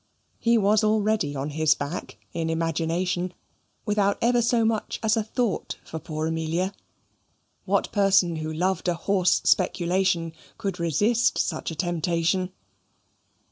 He was already on his back, in imagination, without ever so much as a thought for poor Amelia. What person who loved a horse speculation could resist such a temptation?